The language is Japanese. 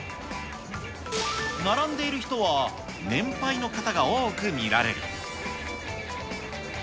並んでいる人は、年配の方が多く見られる。